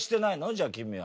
じゃあ君は。